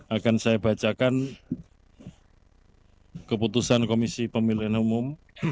akan saya bacakan keputusan komisi pemilihan umum